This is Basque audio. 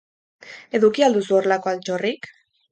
Eduki al duzu horrelako altxorrik?